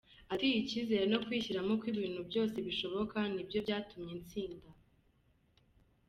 Ati “Icyizere no kwishyiramo ko ibintu byose bishoboka ni byo byatumye ntsinda.